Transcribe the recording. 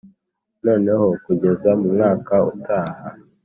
noneho kugeza mu mwaka utaha